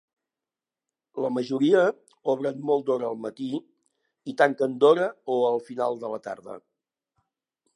La majoria obren molt d'hora al matí i tanquen d'hora o al final de la tarda.